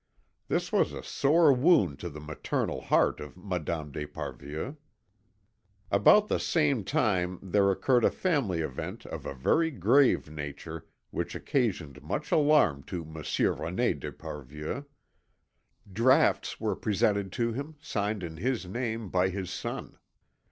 This was a sore wound to the maternal heart of Madame d'Esparvieu. About the same time there occurred a family event of a very grave nature which occasioned much alarm to Monsieur René d'Esparvieu. Drafts were presented to him signed in his name by his son.